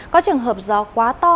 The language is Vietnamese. có trường hợp gió quá to